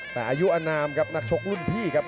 แต่อายุอนามครับนักชกรุ่นพี่ครับ